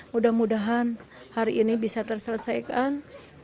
mudah mudahan hari ini bisa terselesaikan